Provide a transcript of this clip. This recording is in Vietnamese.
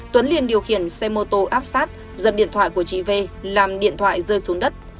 tuấn liền điều khiển xe mô tô áp sát giật điện thoại của chị v làm điện thoại rơi xuống đất